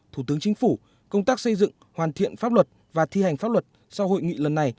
thủ tướng chính phủ công tác xây dựng hoàn thiện pháp luật và thi hành pháp luật sau hội nghị lần này